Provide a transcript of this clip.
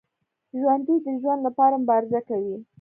ژوندي د ژوند لپاره مبارزه کوي